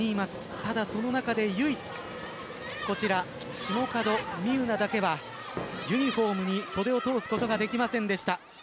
ただ、その中で唯一こちらシモカドミウナだけはユニホームに袖を通すことはできませんでした。